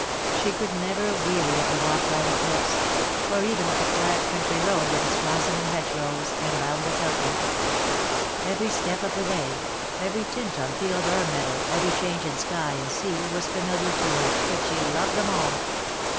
She could never weary of the walk by the cliffs — or even of the quiet country road with its blossoming hedgerows and boundless outlook. Every step of the way, every tint on field or meadow, every change in sky and sea was familiar to her, but she loved them all.